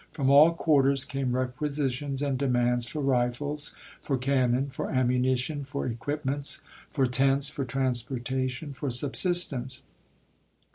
From all quarters came requisitions and demands for rifles, for cannon, for ammunition, for equip ments, for tents, for transportation, for subsistence.